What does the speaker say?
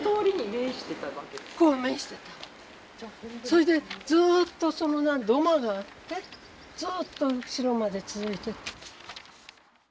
それでずっと土間があってずっと後ろまで続いてた。